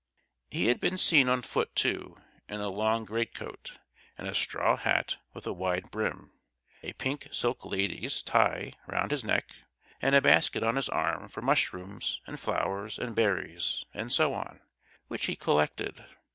He had been seen on foot too, in a long great coat and a straw hat with a wide brim; a pink silk lady's tie round his neck, and a basket on his arm for mushrooms and flowers and berries, and so on, which he collected.